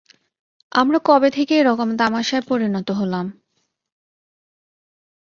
আমরা কবে থেকে এরকম তামাশায় পরিণত হলাম?